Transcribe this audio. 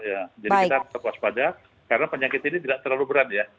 jadi kita harus puas pada karena penyakit ini tidak terlalu berat ya